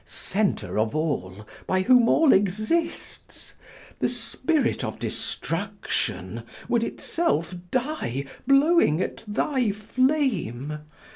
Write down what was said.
Center of all, by whom all exists! The spirit of destruction would itself die, blowing at thy flame!